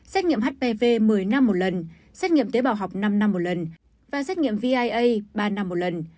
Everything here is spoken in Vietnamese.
xét nghiệm hpv một mươi năm một lần xét nghiệm tế bào học năm năm một lần và xét nghiệm via ba năm một lần